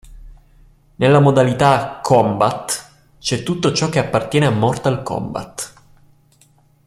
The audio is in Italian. Nella modalità "Kombat" c'è tutto ciò che appartiene a Mortal Kombat.